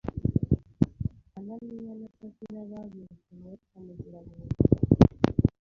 Ananiya na Safira babeshye Mwuka Muziranenge